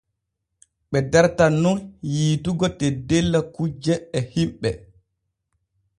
Ɓe dartan nun yiitugo teddella kujje e himɓe.